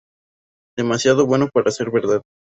Demasiado bueno para ser verdad.